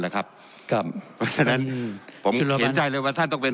ครับครับเพราะฉะนั้นผมเห็นใจเลยว่าท่านต้องเป็น